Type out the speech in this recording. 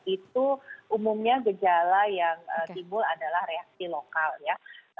itu umumnya gejala yang timbul adalah reaksi lokal ya